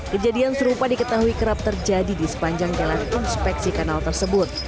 kejadian serupa diketahui kerap terjadi di sepanjang jalan inspeksi kanal tersebut